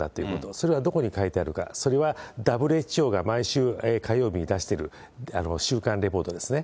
それはどこに書いてあるか、それはＷＨＯが毎週火曜日に出してる週間レポートですね。